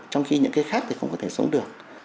trong khi những cái khác thì không có thể sống được